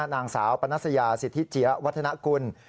นางสาวปนัสยาสิทธิเจี๊ยวัฒนากุล